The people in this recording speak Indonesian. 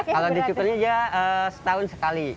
kalau dicukurnya dia setahun sekali